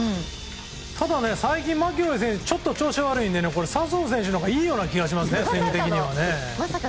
ただ、最近、マキロイ選手ちょっと調子が悪いので笹生選手のほうがいい気がしますね。